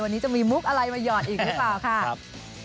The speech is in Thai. วันนี้จะมีมุกอะไรมาหยอดอีกหรือเปล่าค่ะ